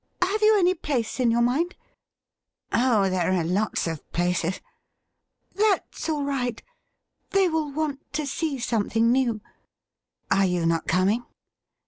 Have you any place in yom* mind .''''' Oh, there are lots of places.' ' That's all right. They will want to see something new.' ' Are you not coming